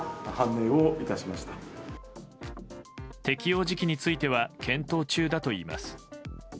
適用時期については検討中だといいます。